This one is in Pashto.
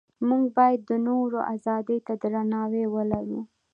موږ باید د نورو ازادۍ ته درناوی ولرو.